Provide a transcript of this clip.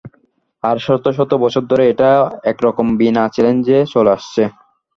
আর শত শত বছর ধরে এটা একরকম বিনা চ্যালেঞ্জে চলে আসছে।